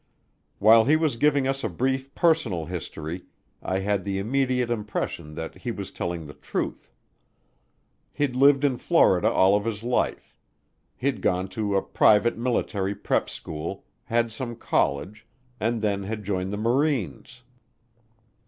While he was giving us a brief personal history, I had the immediate impression that he was telling the truth. He'd lived in Florida all of his life. He'd gone to a private military prep school, had some college, and then had joined the Marines.